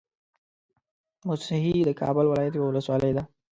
موسهي د کابل ولايت يوه ولسوالۍ ده